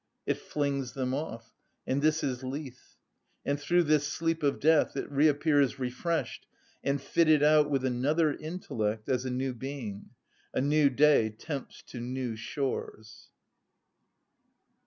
It flings them off, and this is lethe; and through this sleep of death it reappears refreshed and fitted out with another intellect, as a new being—"a new day tempts to new shores."